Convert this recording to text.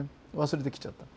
忘れてきちゃった。